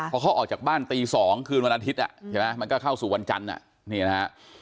พอเขาออกจากบ้านตี๒คืนวันอาทิตย์ใช่ไหมมันก็เข้าสู่วันจันทร์นี่นะฮะ